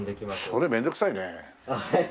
それ面倒くさいね。